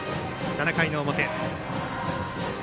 ７回の表。